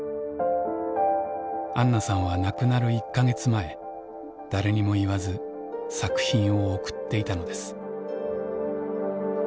あんなさんは亡くなる１か月前誰にも言わず作品を送っていたのです。